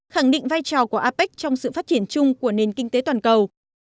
khẳng định vai trò của apec trong sự phát triển chung của nền kinh tế toàn cầu